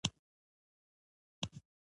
خو مور يې د کار اجازه نه ورکوله.